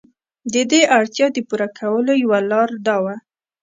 د دې اړتیا د پوره کولو یوه لار دا وه.